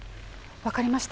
分かりました。